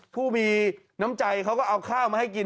ผู้มีน้ำใจเขาก็เอาข้าวมาให้กิน